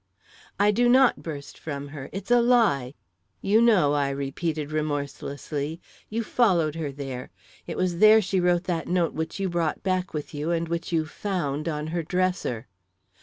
"I do not!" burst from her. "It's a lie!" "You know," I repeated remorselessly. "You followed her there. It was there she wrote that note which you brought back with you and which you found on her dresser."